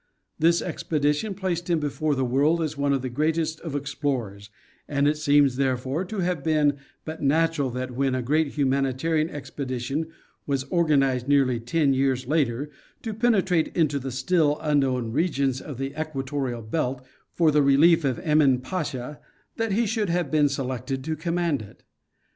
This expedition placed him before the world as one of the greatest of explorers, and it seems, therefore, to have been but natural that, when a great humanita rian expedition was to be organized nearly ten years later to pen etrate into the still unknown regions of the equatorial belt for the relief of Emin Pasha, that he should have been selected to command it.